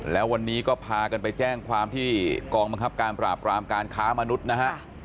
แล้ววันนี้ก็พากันไปแจ้งความที่กองบังคับการปราบรามการค้ามนุษย์นะฮะ